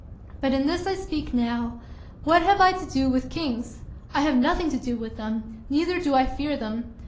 But in this I speak now, what have I to do with kings? I have nothing to do with them, neither do I fear them.